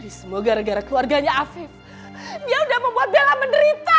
jadi semua gara gara keluarganya afif dia udah membuat bella menderita